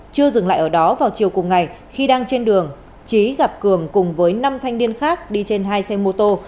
chưa dừng lại ở đó vào chiều cùng ngày khi đang trên đường trí gặp cường cùng với năm thanh niên khác đi trên hai xe mô tô